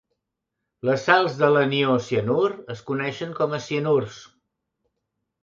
Les sals de l'anió cianur es coneixen com a cianurs.